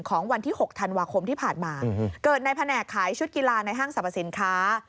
ของวันที่๖ธันวาคมที่ผ่านมาเกิดในแผนกขายชุดกีฬาในห้างสรรพสินค้า